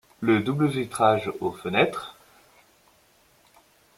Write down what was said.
le double vitrage aux fenêtres